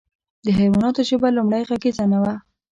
د حیواناتو ژبه لومړۍ غږیزه نه وه.